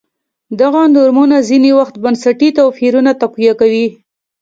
دغه نورمونه ځیني وخت بنسټي توپیرونه تقویه کوي.